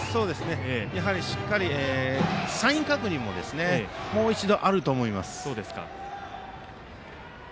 やはり、しっかりサイン確認ももう一度あると思います。